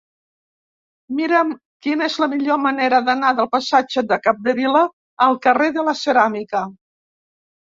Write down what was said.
Mira'm quina és la millor manera d'anar del passatge de Capdevila al carrer de la Ceràmica.